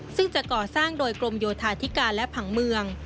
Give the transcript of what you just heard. ซึ่งจะก่อสร้างโดยกรมโยธาธิการและผังเมือง